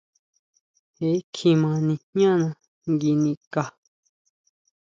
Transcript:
Jee kjima nijñana ngui nikʼa.